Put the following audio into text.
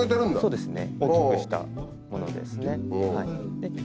そうですね。